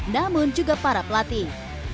namun juga para pelatih